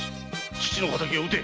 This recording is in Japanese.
父の仇を討て。